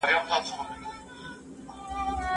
لوستې مور د ناروغۍ پر مهال صبر کوي.